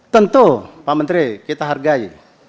tentu pak menteri kita hargai